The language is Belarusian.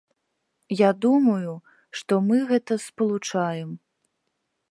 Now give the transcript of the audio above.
Я думаю, што мы гэта спалучаем.